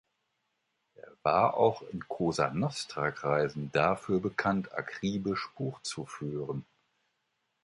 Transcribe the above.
Er war auch in Cosa Nostra Kreisen dafür bekannt, akribisch Buch zu führen.